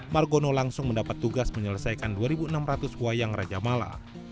margono langsung mendapat tugas menyelesaikan dua enam ratus wayang raja mala